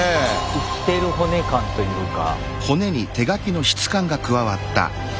生きてる骨感というか。